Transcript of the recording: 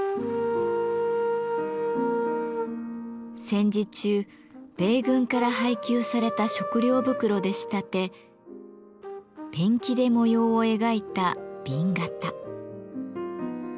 戦時中米軍から配給された食料袋で仕立てペンキで模様を描いた紅型。